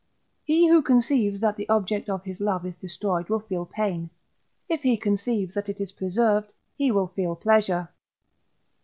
He who conceives that the object of his love is destroyed will feel pain; if he conceives that it is preserved he will feel pleasure.